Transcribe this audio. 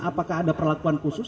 apakah ada perlakuan khusus